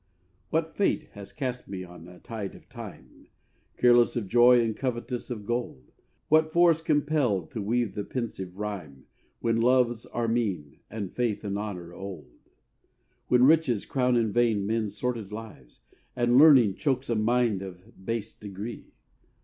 What fate has cast me on a tide of time Careless of joy and covetous of gold, What force compelled to weave the pensive rhyme When loves are mean, and faith and honour old, When riches crown in vain men's sordid lives, And learning chokes a mind of base degree?